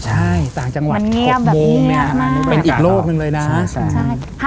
ใช่ต่างจังหวัด๖โมงเนี่ยเป็นอีกโลกหนึ่งเลยนะใช่